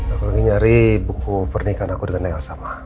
aku lagi nyari buku pernikahan aku dengan elsa ma